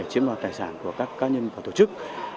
chiếm đoạt tài sản của các cá nhân và tổ chức